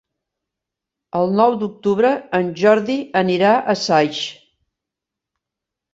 El nou d'octubre en Jordi anirà a Saix.